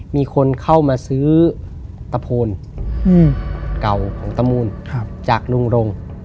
มีคนเข้ามาซื้อตะโพนเก่าของตะมูลจากลุงรง